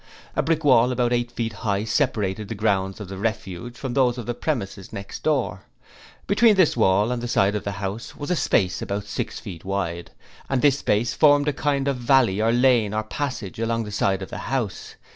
A brick wall about eight feet high separated the grounds of 'The Refuge' from those of the premises next door. Between this wall and the side wall of the house was a space about six feet wide and this space formed a kind of alley or lane or passage along the side of the house.